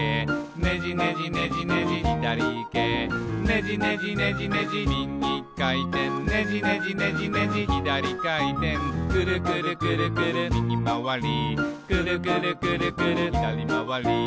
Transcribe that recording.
「ねじねじねじねじみぎかいてん」「ねじねじねじねじひだりかいてん」「くるくるくるくるみぎまわり」「くるくるくるくるひだりまわり」